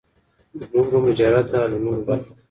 د نورو مجرده عالمونو برخه ده.